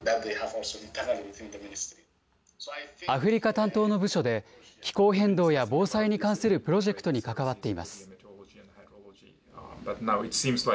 アフリカ担当の部署で、気候変動や防災に関するプロジェクトに関わっています。